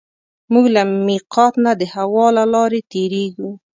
موږ له مېقات نه د هوا له لارې تېرېږو.